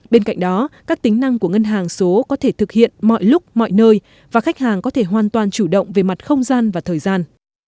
bên cạnh đó các tính năng của ngân hàng số có thể thực hiện mọi lúc mọi nơi và khách hàng có thể hoàn toàn chủ động về mặt không gian và thời gian